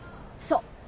そう。